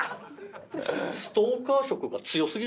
ストーカー色が強過ぎる。